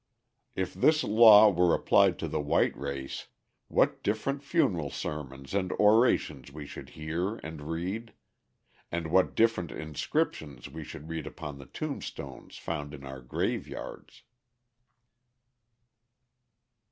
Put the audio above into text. If this law were applied to the white race, what different funeral sermons and orations we should hear and read; and what different inscriptions we should read upon the tombstones found in our grave yards.